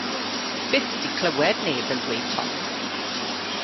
Byth 'di clywed neb yn dweud tom.